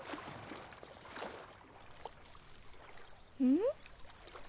ん？